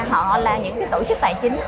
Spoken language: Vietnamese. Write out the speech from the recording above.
họ là những tổ chức tài chính